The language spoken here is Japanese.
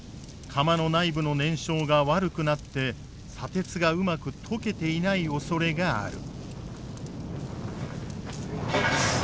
釜の内部の燃焼が悪くなって砂鉄がうまく溶けていないおそれがある。